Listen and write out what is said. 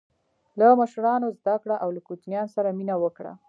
له مشرانو زده کړه او له کوچنیانو سره مینه وکړه.